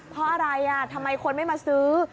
เพราะอะไรทำไมคนไม่มาซื้อ